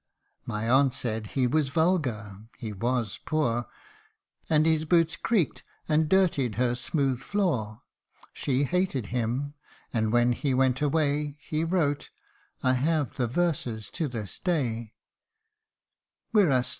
My aunt said he was vulgar ; he was poor, And his boots creaked, and dirtied her smooth floor. She hated him ; and when he went away, He wrote I have the verses to this day : Wirasthru